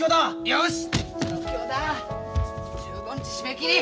よし！